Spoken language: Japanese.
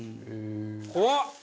怖っ！